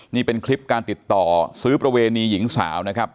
นี่เป็นคลิปการติดต่อซื้อประเวณีหญิงสาวนะครับ